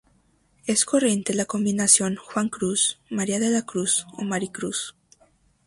Es corriente la combinación Juan Cruz, María de la Cruz o Maricruz.